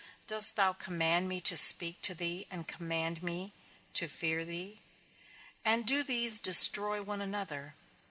Dost thou command me to speak to thee, and command me to fear thee; and do these destroy one another?